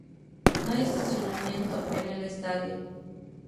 No hay estacionamiento en el estadio.